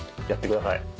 やってください。